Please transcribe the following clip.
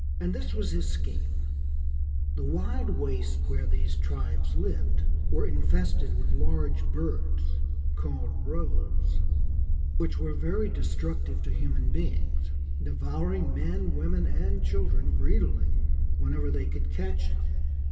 And this was his scheme : The wild wastes where these tribes lived were infested with large birds called " Rohs",* which were very destructive to human beings devouring men, women, and children greedily whenever they could catch them.